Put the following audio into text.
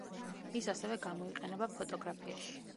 ის ასევე გამოიყენება ფოტოგრაფიაში.